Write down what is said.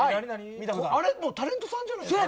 あれタレントさんじゃないですか。